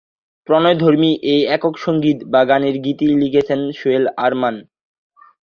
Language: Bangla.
প্রণয়ধর্মী এই একক সঙ্গীত বা গানের গীতি লিখেছেন সোহেল আরমান।